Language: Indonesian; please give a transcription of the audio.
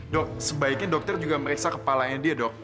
dok sebaiknya dokter juga meriksa kepalanya dia dok